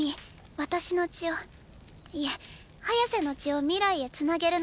私の血をいえハヤセの血を未来へ繋げるのです。